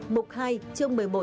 mục hai chương một mươi một